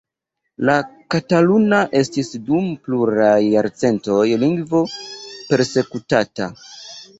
La kataluna estis dum pluraj jarcentoj lingvo persekutata.